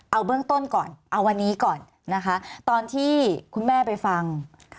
เอาเบื้องต้นก่อนเอาวันนี้ก่อนนะคะตอนที่คุณแม่ไปฟัง